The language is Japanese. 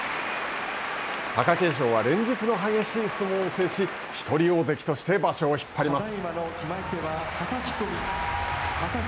貴景勝は連日の激しい相撲を制しひとり大関として場所を引っ張ります。